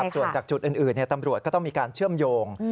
ส่วนจากจุดอื่นตำรวจก็ต้องมีการเชื่อมโยง